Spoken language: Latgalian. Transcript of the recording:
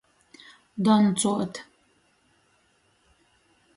Doncuot.